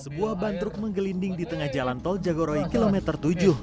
sebuah ban truk menggelinding di tengah jalan tol jagoroi kilometer tujuh